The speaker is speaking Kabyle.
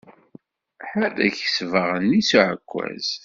Ḥerrek ssbaɣ-nni s uεekkaz!